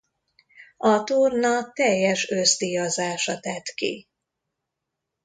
A torna teljes összdíjazása tett ki.